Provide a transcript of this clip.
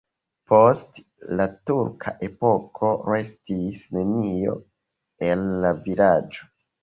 Post la turka epoko restis nenio el la vilaĝo.